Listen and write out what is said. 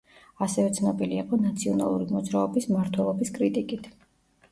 ასევე ცნობილი იყო ნაციონალური მოძრაობის მმართველობის კრიტიკით.